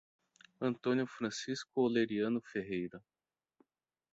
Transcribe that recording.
Antônio Francisco Oleriano Ferreira